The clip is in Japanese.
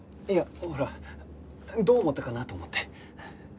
いやほらどう思ったかなと思って。